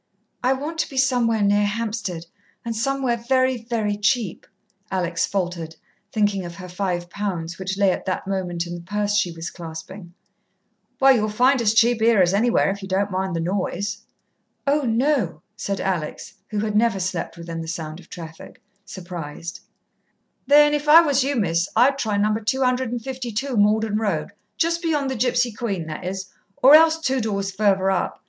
"I want to be somewhere near Hampstead and somewhere very, very cheap," Alex faltered, thinking of her five pounds, which lay at that moment in the purse she was clasping. "Well, you'll find as cheap here as anywhere, if you don't mind the noise." "Oh, no," said Alex who had never slept within the sound of traffic surprised. "Then if I was you, Miss, I'd try No. 252 Malden Road just beyond the Gipsy Queen, that is, or else two doors further up.